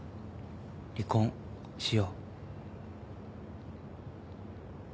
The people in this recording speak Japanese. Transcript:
離婚しよう。